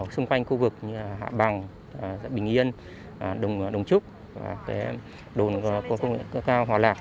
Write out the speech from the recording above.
xung quanh khu vực như hạ bằng bình yên đồng trúc đồn công nghệ cao hòa lạc